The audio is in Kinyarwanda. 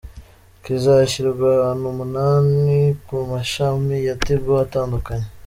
Kizashyirwa ahantu umunani ku mashami ya Tigo atandukanye.